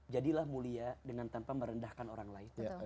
jadilah mulia dengan tanpa merendahkan orang lain